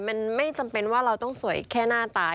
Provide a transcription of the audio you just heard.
มันไม่จำเป็นว่าเราต้องสวยแค่หน้าตา